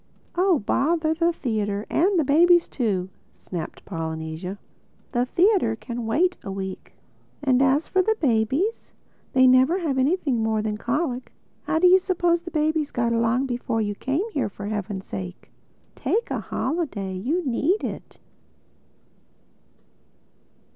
"Oh bother the theatre—and the babies too," snapped Polynesia. "The theatre can wait a week. And as for babies, they never have anything more than colic. How do you suppose babies got along before you came here, for heaven's sake?—Take a holiday.... You need it."